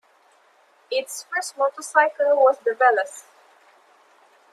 Its first motorcycle was the "Veloce".